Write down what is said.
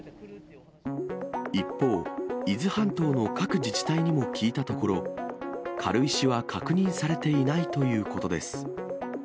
一方、伊豆半島の各自治体にも聞いたところ、軽石は確認されていないということです。